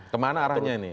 kemana arahnya ini